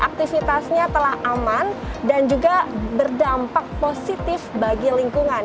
aktivitasnya telah aman dan juga berdampak positif bagi lingkungan